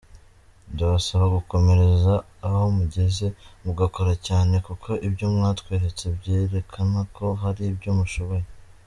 ndabasaba gukomereza ahomugeze mugakora cyane kuko ibyo mwatweretse byerekana ko hari ibyo mushoboye.